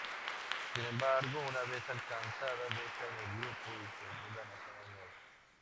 Sin embargo, una vez alcanzada dejan el grupo y se mudan a zonas nuevas.